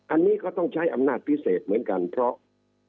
อันนี้ก็ต้องใช้อำนาจพิเศษเหมือนกันเพราะ